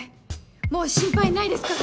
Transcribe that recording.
もう心配ないですから。